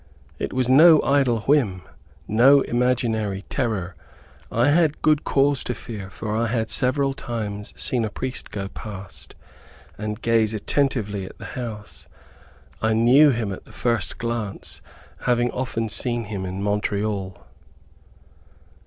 It was no idle whim, no imaginary terror. I had good cause to fear, for I had several times seen a priest go past, and gaze attentively at the house. I knew him at the first glance, having often seen him in Montreal.